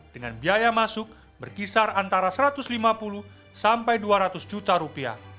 dengan biaya masuk berkisar antara satu ratus lima puluh sampai dua ratus juta rupiah